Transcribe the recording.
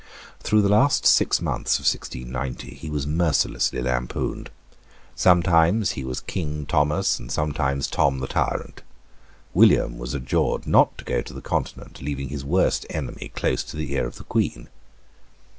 Through the last six months of 1690 he was mercilessly lampooned. Sometimes he was King Thomas and sometimes Tom the Tyrant, William was adjured not to go to the Continent leaving his worst enemy close to the ear of the Queen.